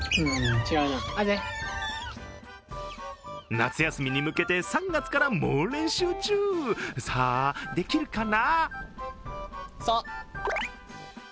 夏休みに向けて３月から猛練習中さあ、できるかな？